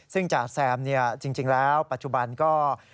ซึ่งจ่าแซมจริงแล้วปัจจุบันก็